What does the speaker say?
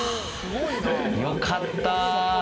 よかった。